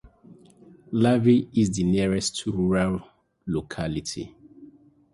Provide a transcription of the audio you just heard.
Lavy is the nearest rural locality.